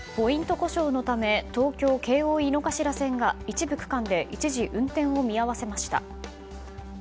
故障のため東京・京王井の頭線が一部区間で一時運転を見合わせました。